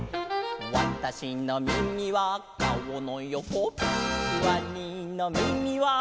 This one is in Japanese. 「わたしのみみは顔のよこ」「わにのみみは」